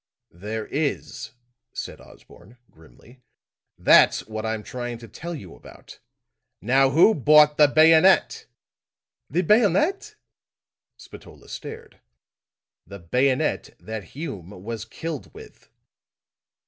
"There is," said Osborne, grimly. "That's what I'm trying to tell you about. Now, who bought the bayonet?" "The bayonet?" Spatola stared. "The bayonet that Hume was killed with."